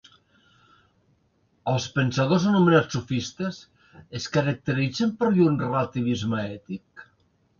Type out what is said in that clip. Els pensadors anomenats sofistes, es caracteritzen per llur relativisme ètic?